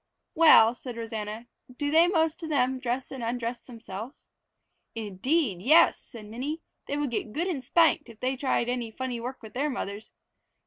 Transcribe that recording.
"Well," said Rosanna, "do they most of them dress and undress themselves?" "Indeed yes!" said Minnie. "They would get good and spanked if they tried any funny work with their mothers.